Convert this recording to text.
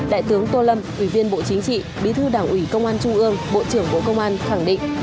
đại tướng tô lâm ủy viên bộ chính trị bí thư đảng ủy công an trung ương bộ trưởng bộ công an khẳng định